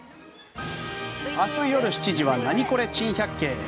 明日夜７時は「ナニコレ珍百景」。